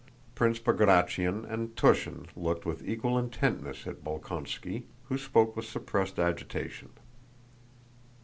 Prince Bagratión and Túshin looked with equal intentness at Bolkónski, who spoke with suppressed agitation.